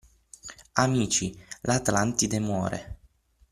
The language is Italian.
Amici, l’Atlantide muore!